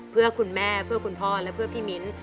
เพื่อคุณแม่เพื่อคุณพ่อและเพื่อพี่มิ้น